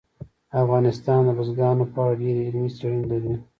افغانستان د بزګانو په اړه ډېرې علمي څېړنې لري.